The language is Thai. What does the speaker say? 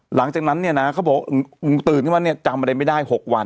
หลังจากนั้นเนี่ยนะเขาบอกมึงตื่นขึ้นมาเนี่ยจำอะไรไม่ได้๖วัน